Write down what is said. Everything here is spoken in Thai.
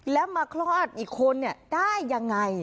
แล้วมาคลอดอีกคนได้ยังไง